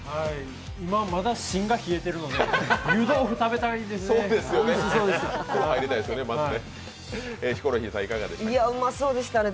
今、まだ芯が冷えてるので湯豆腐食べたいですね。